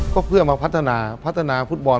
ก็เพื่อมาพัฒนาพัฒนาฟุตบอล